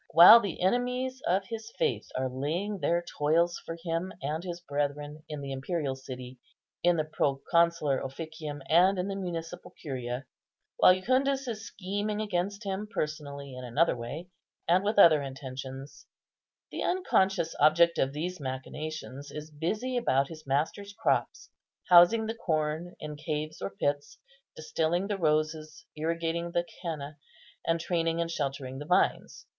While the enemies of his faith are laying their toils for him and his brethren in the imperial city, in the proconsular officium, and in the municipal curia,—while Jucundus is scheming against him personally in another way and with other intentions,—the unconscious object of these machinations is busy about his master's crops, housing the corn in caves or pits, distilling the roses, irrigating the khennah, and training and sheltering the vines.